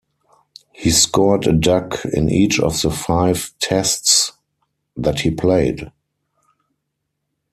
He scored a duck in each of the five Tests that he played.